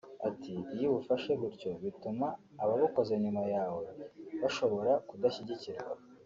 Ati “Iyo ubafashe gutyo bituma ababukoze nyuma yawe bashobora kudashyigikirwa